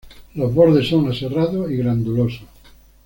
Los bordes son aserrados y glandulosos.